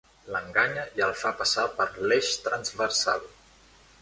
L'enganya i el fa passar per l'Eix Transversal.